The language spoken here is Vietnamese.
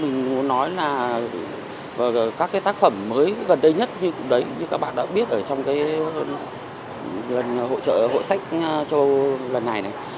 ví dụ như mình muốn nói là các cái tác phẩm mới gần đây nhất như các bạn đã biết ở trong cái hội sách châu âu lần này này